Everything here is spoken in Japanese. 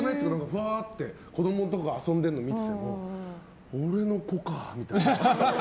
ふわーって子供とか遊んでるの見てても俺の子かみたいな。